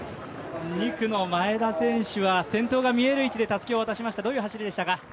２区の前田選手は先頭が見える位置でたすきを渡しました、どういう走りでしたか？